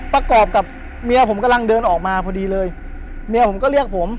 ประกอบกับเมียผมกำลังเดินออกมาพอดีเลยเมียผมก็เรียกผม